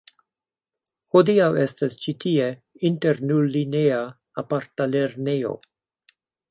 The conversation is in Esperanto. Hodiaŭ estas ĉi tie internulineja aparta lernejo.